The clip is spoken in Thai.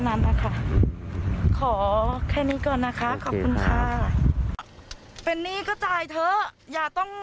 นั้นนะคะขอแค่นี้ก่อนนะคะขอบคุณค่ะเป็นหนี้ก็จ่ายเถอะอย่าต้อง